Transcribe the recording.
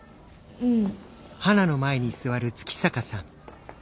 うん。